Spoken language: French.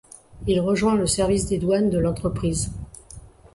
Il rejoint le service des douanes de l’entreprise.